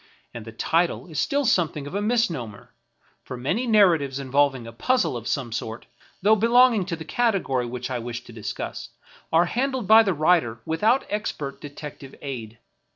And the title is still something of a misnomer, for many nar ratives involving a puzzle of some sort, though belonging to the category which I wish to discuss, are handled by the writer without expert detective aid.